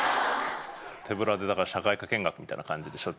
手ぶらで社会科見学みたいな感じでしょっちゅう来てて。